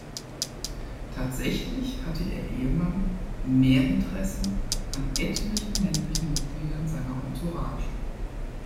Tatsächlich hatte ihr Ehemann mehr Interesse an etlichen männlichen Mitgliedern seiner Entourage.